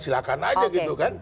silakan aja gitu kan